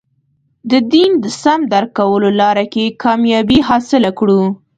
د دین د سم درک کولو لاره کې کامیابي حاصله کړو.